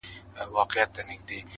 رویباری د بېګانه خلکو تراب کړم؛